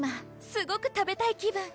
すごく食べたい気分